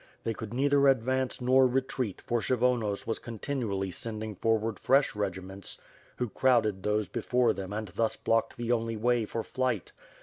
They could neither advance nor retreat for Kshyvonos was continually sending forward fresh regiments who crowded those before them and thus blocked the only way for flight.